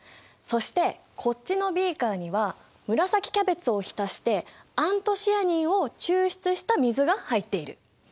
そしてこっちのビーカーには紫キャベツを浸してアントシアニンを抽出した水が入っている。